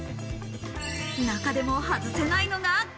中でも外せないのが。